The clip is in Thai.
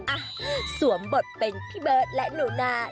อ่ะสวมบทเป็นพี่เบิร์ตและหนูนา